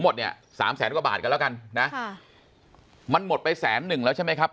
หมดเนี่ย๓๐๐๐๐๐กว่าบาทก็แล้วกันนะมันหมดไป๑๐๑๐๐๐แล้วใช่ไหมครับ